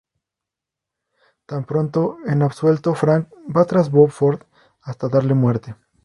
Tan pronto es absuelto, Frank va tras Bob Ford hasta darle muerte.